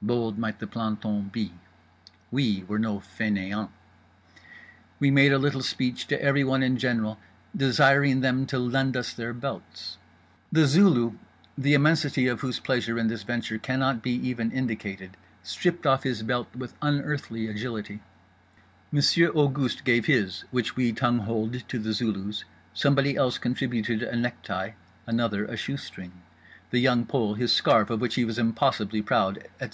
Bold might the planton be; we were no fainéants. We made a little speech to everyone in general desiring them to lend us their belts. The Zulu, the immensity of whose pleasure in this venture cannot be even indicated, stripped off his belt with unearthly agility—Monsieur Auguste gave his, which we tongue holed to The Zulu's—somebody else contributed a necktie—another a shoe string—The Young Pole his scarf, of which he was impossibly proud—etc.